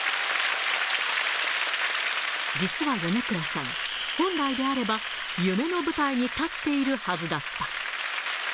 実は米倉さん、本来であれば、夢の舞台に立っているはずだった。